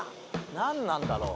何なんだろう？